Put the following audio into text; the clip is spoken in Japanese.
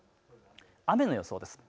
雨の予想です。